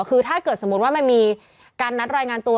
คือถ้าเกิดสมมุติว่ามันมีการนัดรายงานตัว